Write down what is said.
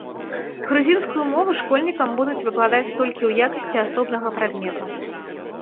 Грузінскую мову школьнікам будуць выкладаць толькі ў якасці асобнага прадмету.